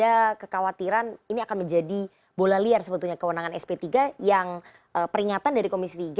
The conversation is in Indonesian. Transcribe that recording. ada kekhawatiran ini akan menjadi bola liar sebetulnya kewenangan sp tiga yang peringatan dari komisi tiga